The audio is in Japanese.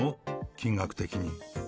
金額的に。